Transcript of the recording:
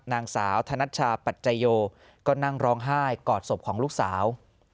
นางสาวธนัชชาปัจจัยโยก็นั่งร้องไห้กอดศพของลูกสาว